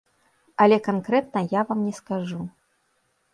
Але канкрэтна я вам не скажу.